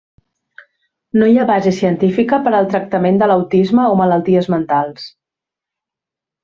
No hi ha base científica per al tractament de l'autisme o malalties mentals.